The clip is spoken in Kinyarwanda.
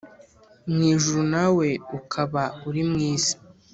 mu ijuru nawe ukaba uri mu isi